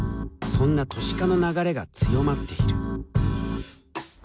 そんな都市化の流れが強まっている。